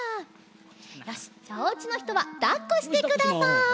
よしじゃあおうちのひとはだっこしてください。